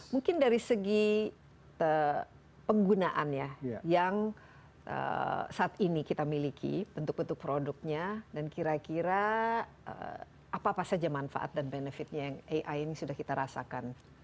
mungkin dari segi penggunaan ya yang saat ini kita miliki bentuk bentuk produknya dan kira kira apa apa saja manfaat dan benefitnya yang ai ini sudah kita rasakan